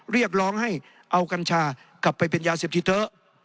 เรียกร้องให้เอากัญชากลับไปเป็นยาเสพติดเถอะ